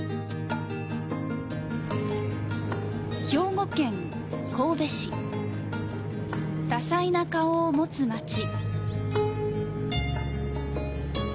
兵庫県神戸市、多彩な顔を持つ街。